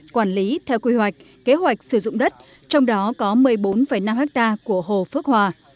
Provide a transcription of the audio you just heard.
quản lý theo quy hoạch kế hoạch sử dụng đất trong đó có một mươi bốn năm ha của hồ phước hòa